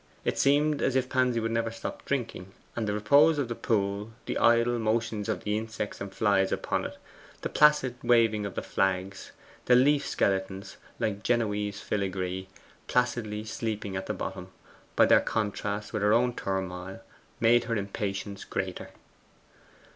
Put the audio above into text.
It seemed as if Pansy would never stop drinking; and the repose of the pool, the idle motions of the insects and flies upon it, the placid waving of the flags, the leaf skeletons, like Genoese filigree, placidly sleeping at the bottom, by their contrast with her own turmoil made her impatience greater.